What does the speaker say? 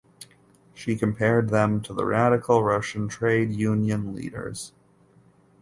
She compared them to the radical Russian trade union leaders.